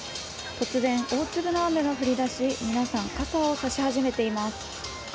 突然、大粒の雨が降り出し、皆さん、傘を差し始めています。